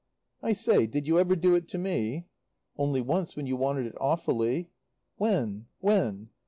"I say did you ever do it to me?" "Only once, when you wanted it awfully." "When? When?"